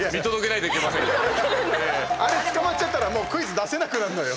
あれは捕まっちゃったらもうクイズ出せなくなるのよ。